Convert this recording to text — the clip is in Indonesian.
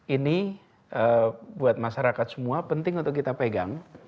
ini buat masyarakat semua penting untuk kita pegang